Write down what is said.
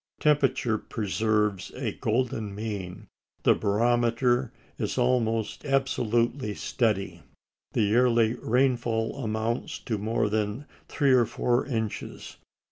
Temperature preserves a "golden mean"; the barometer is almost absolutely steady; the yearly rainfall amounts to no more than three or four inches.